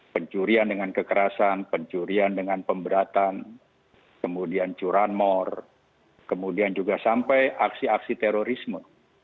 pencurian dengan kekerasan pencurian dengan pemberatan kemudian curanmor kemudian juga sampai aksi aksi terorisme